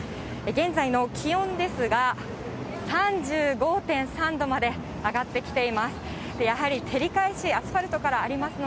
現在の気温ですが、３５．３度まで上がってきています。